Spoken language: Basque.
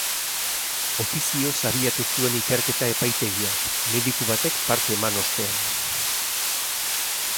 Ofizioz abiatu zuen ikerketa epaitegiak, mediku batek parte eman ostean.